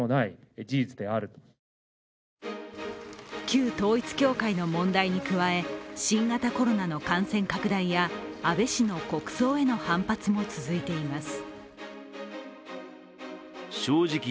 旧統一教会の問題に加え新型コロナの感染拡大や安倍氏の国葬への反発も続いています。